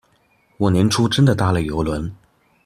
我年初真的搭了郵輪